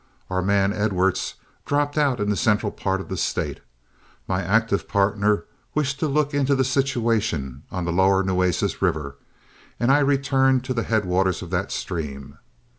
Our man Edwards dropped out in the central part of the State, my active partner wished to look into the situation on the lower Nueces River, and I returned to the headwaters of that stream.